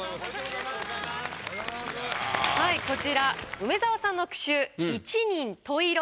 梅沢さんの句集「一人十色」。